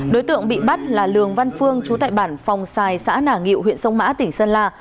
đối tượng bị bắt là lương văn phương chú tại bản phòng xài xã nả nghiệu huyện sông mã tỉnh sơn la